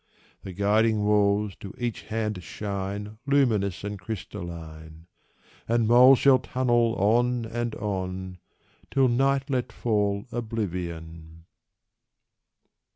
The guiding walls to each hand shine Luminous and crystalline; And mole shall tunnel on and on, Till night let fall oblivion.